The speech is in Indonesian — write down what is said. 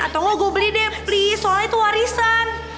atau lo gue beli deh please soalnya itu warisan